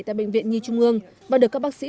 tại bệnh viện nhi trung ương và được các bác sĩ